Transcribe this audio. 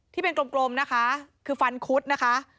ที่เป็นกลมนะคะคือฟันคุดนะคะ